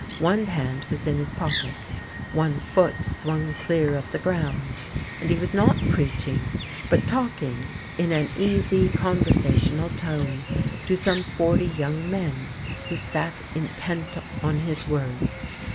One hand was in his pocket, one foot swung clear of the ground; and he was not preaching, but talking in an easy, conversational tone to some forty young men who sat intent on his words.